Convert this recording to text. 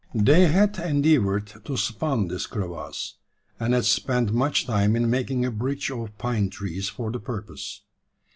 They had endeavoured to span this crevasse; and had spent much time in making a bridge of pine trees for the purpose.